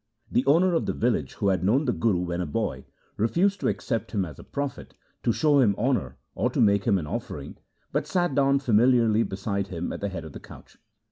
The owner of the village, who had known the Guru when a boy, refused to accept him as a prophet, to show him honour, or to make him an offering, but sat down familiarly beside him at the head of the couch.